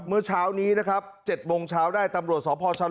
เมื่อเช้านี้นะครับ๗โมงเช้าได้ตำรวจสพช